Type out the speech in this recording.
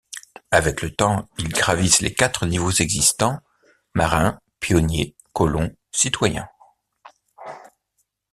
Avec le temps, ils gravissent les quatre niveaux existants : Marin, Pionnier, Colon, Citoyen.